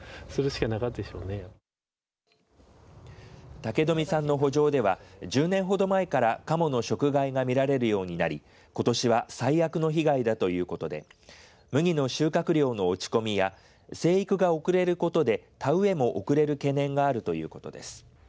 武富さんのほ場では１０年ほど前から、かもの食害が見られるようになりことしは最悪の被害だということで麦の収穫量の落ち込みや生育が遅れることで田植えも遅れる懸念があるということです。